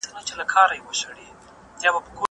زه کولای سم ليک ولولم!